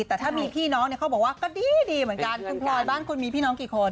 แต่ถ้ามีพี่น้องเนี่ยเขาบอกว่าก็ดีเหมือนกันคุณพลอยบ้านคุณมีพี่น้องกี่คน